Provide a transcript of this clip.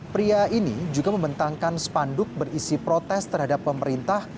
pria ini juga membentangkan spanduk berisi protes terhadap pemerintah